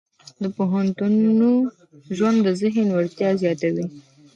د پوهنتون ژوند د ذهني وړتیاوې زیاتوي.